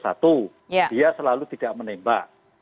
dia selalu tidak menembak